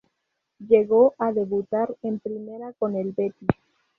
Llegó a debutar en Primera con el Betis.